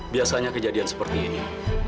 biasanya kejadian seperti ini